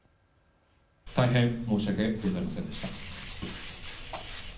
大変申し訳ございませんでした。